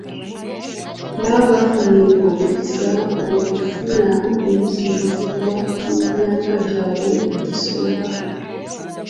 Baba bafunye omukisa okufuna okuyigirizibwa mu myaka gyabwe egisooka.